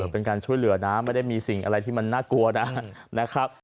เป็นการช่วยเหลือนะไม่ได้มีสิ่งอะไรที่มันน่ากลัวนะครับ